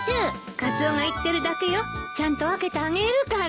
カツオが言ってるだけよちゃんと分けてあげるから。